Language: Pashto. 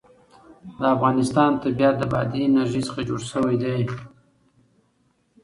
د افغانستان طبیعت له بادي انرژي څخه جوړ شوی دی.